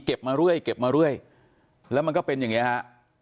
มาเรื่อยเก็บมาเรื่อยแล้วมันก็เป็นอย่างนี้ฮะ